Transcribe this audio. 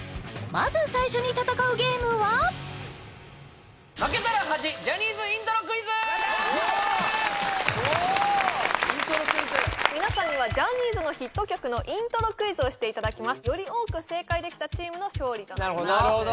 まず最初に戦うゲームは皆さんにはジャニーズのヒット曲のイントロクイズをしていただきますより多く正解できたチームの勝利となります